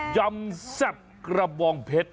ยำแซ่บกระบองเพชร